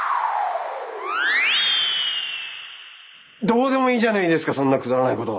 どうでもいいじゃないですかそんなくだらないこと。